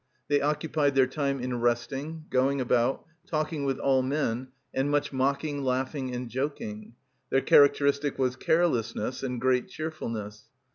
They occupied their time in resting, going about, talking with all men, and much mocking, laughing, and joking; their characteristic was carelessness and great cheerfulness.